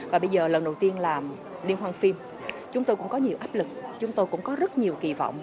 và bây giờ lần đầu tiên làm liên hoan phim chúng tôi cũng có nhiều áp lực chúng tôi cũng có rất nhiều kỳ vọng